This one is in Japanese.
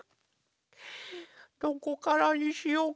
どこからにしようかな。